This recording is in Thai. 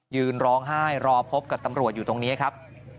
ยืนร้องไห้รอพบกับตำรวจอยู่ตรงนี้ครับ